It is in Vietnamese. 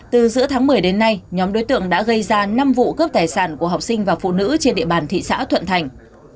từ giữa tháng một mươi đến nay nhóm đối tượng đã gây ra năm vụ cướp tài sản của học sinh và phụ nữ trên địa bàn thị xã thuận thành